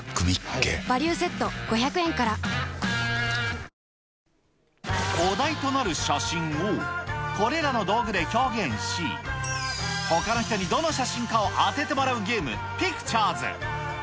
これで当てた中丸と上重には、お題となる写真を、これらの道具で表現し、ほかの人にどの写真かを当ててもらうゲーム、ピクチャーズ。